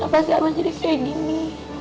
kenapa sih abah jadi kayak gini